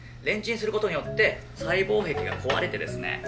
レンチンすることによって細胞壁が壊れてですね